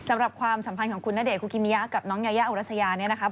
สำหรับความสัมพันธ์ของคุณนาเดะครูกิมยากับน้องยาย่าอุรสยานี่นะครับ